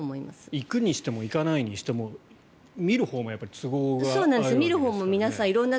行くにしても行かないにしても見るほうも都合があるわけですからね。